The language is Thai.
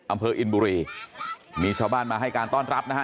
อำเภออินบุรีมีชาวบ้านมาให้การต้อนรับนะฮะ